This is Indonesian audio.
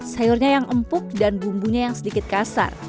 sayurnya yang empuk dan bumbunya yang sedikit kasar